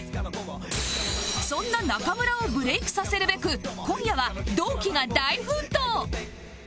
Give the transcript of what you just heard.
そんな中村をブレイクさせるべく今夜は同期が大奮闘！